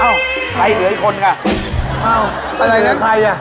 อะไรเนี่ยใครเนี่ย